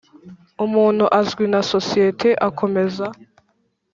umuntu azwi na sosiyete akomeza